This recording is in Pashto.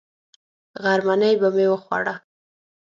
غرمنۍ به مې وخوړه.